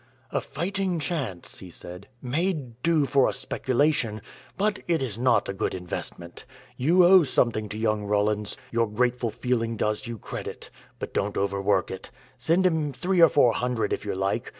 "A fighting chance," he said, "may do for a speculation, but it is not a good investment. You owe something to young Rollins. Your grateful feeling does you credit. But don't overwork it. Send him three or four hundred, if you like.